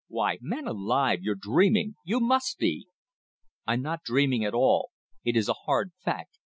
"Why, man alive, you're dreaming! You must be!" "I'm not dreaming at all! It is a hard fact.